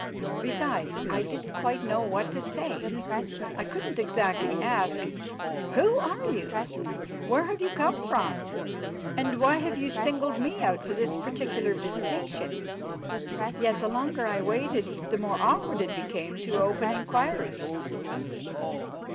Besides, I didn't quite know what to say. I couldn't exactly ask, "Who are you? where have you come from? and why have you singled me out for this particular visitation?" Yet the longer I waited, the more awkward it became to open inquiries.